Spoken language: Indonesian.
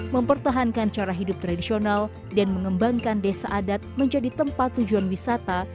mempertahankan cara hidup tradisional dan mengembangkan desa adat menjadi tempat tujuan wisata